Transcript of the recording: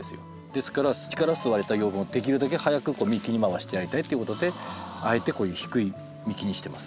ですから土から吸われた養分をできるだけ早く幹に回してあげたいっていうことであえてこういう低い幹にしてます